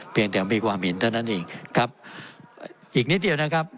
เพียงแต่มีความเห็นเท่านั้นเองครับอีกนิดเดียวนะครับ